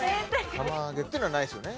釜揚げっていうのはないですよね？